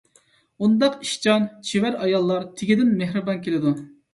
ئۇنداق ئىشچان، چېۋەر ئاياللار تېگىدىن مېھرىبان كېلىدۇ.